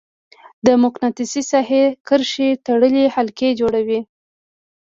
د مقناطیسي ساحې کرښې تړلې حلقې جوړوي.